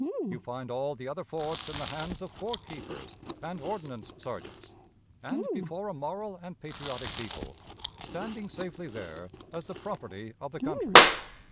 You find all the other forts in the hands of fort keepers and ordnance sergeants, and, before a moral and patriotic people, standing safely there as the property of the country.